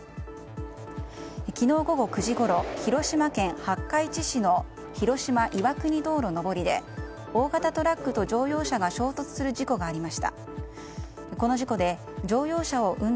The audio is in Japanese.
昨日午後９時ごろ広島県廿日市市の広島岩国道路上りで大型トラックと乗用車が叫びたくなる緑茶ってなんだ？